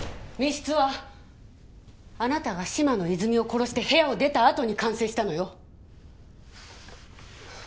密室はあなたが嶋野泉水を殺して部屋を出たあとに完成したのよ。